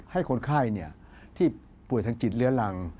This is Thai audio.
ให้คนไข้ที่ป่วยทางจิตเลื้อรัง